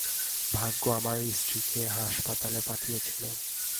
ভাগ্য আমার স্ত্রীকে হাসপাতালে পাঠিয়েছিল।